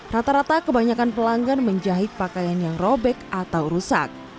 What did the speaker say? rata rata kebanyakan pelanggan menjahit pakaian yang robek atau rusak